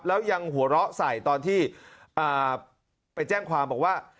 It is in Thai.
แล้วยังหัวเราะใส่ตอนที่ไปแจ้งความบอกว่า